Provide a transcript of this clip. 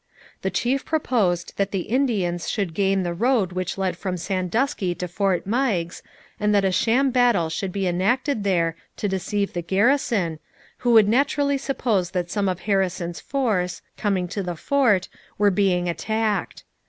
The chief proposed that the Indians should gain the road which led from Sandusky to Fort Meigs and that a sham battle should be enacted there to deceive the garrison, who would naturally suppose that some of Harrison's force, coming to the fort, were being attacked.